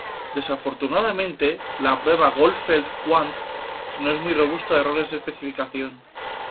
Desafortunadamente la prueba Goldfeld-Quandt no es muy robusto a errores de especificación.